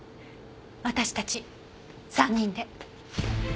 私たち３人で。